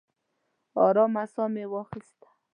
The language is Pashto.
ارام ساه مې واخیسته.